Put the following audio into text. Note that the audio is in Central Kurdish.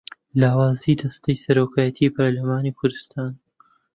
لاوازیی دەستەی سەرۆکایەتیی پەرلەمانی کوردستان